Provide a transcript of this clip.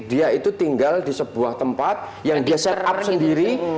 dia itu tinggal di sebuah tempat yang dia set up sendiri